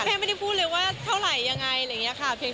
แม่ไม่ได้พูดเลยว่าเท่าไหร่ยังไงอะไรอย่างนี้ค่ะ